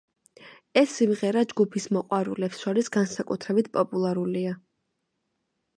ეს სიმღერა ჯგუფის მოყვარულებს შორის განსაკუთრებით პოპულარულია.